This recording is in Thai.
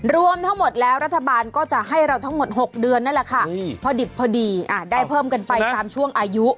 รวมทั้งหมดแล้วรัฐบาลก็จะให้เราทั้งหมด๖เดือนนั่นแหละค่ะพอดิบพอดีได้เพิ่มกันไปตามช่วงอายุ